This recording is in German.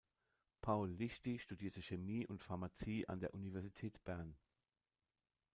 Paul Liechti studierte Chemie und Pharmazie an der Universität Bern.